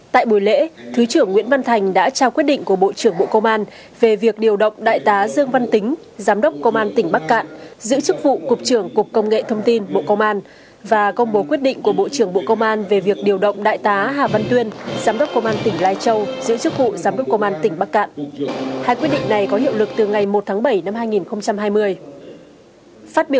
tại buổi lễ thứ trưởng nguyễn văn thành đã chúc mừng thiếu tướng nguyễn như tuấn trên cương vị giám đốc công an tỉnh thái nguyên đã hoàn thành xuất sắc nhiệm vụ được giao sự công hiến đóng góp phần đảm bảo an ninh chính trị giữ gìn trật tự an toàn xã hội của địa phương